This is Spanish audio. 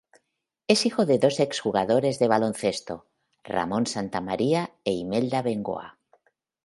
Es hijo de dos ex-jugadores de baloncesto: Ramón Santamaría e Imelda Bengoa.